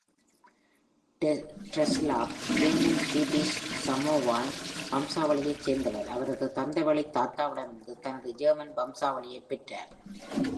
ரெட்ஸ்லாஃப் ஜெர்மன்-ஸ்வீடிஷ்-சமோவான் வம்சாவளியைச் சேர்ந்தவர், அவரது தந்தைவழி தாத்தாவிடமிருந்து தனது ஜெர்மன் வம்சாவளியைப் பெற்றார்.